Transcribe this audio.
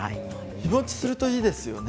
日もちするといいですよね。